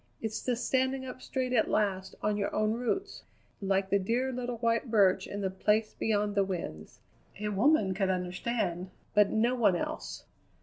It's the standing up straight at last on your own roots like the dear little white birch in the Place Beyond the Winds. A woman could understand, but no one else."